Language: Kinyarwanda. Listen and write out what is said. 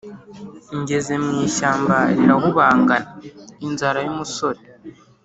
Ngeze mu ishyamba rirahungabana : “Inzara y’umusore”